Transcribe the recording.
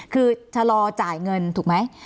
คือชะลอจ่ายเงินถูกไหม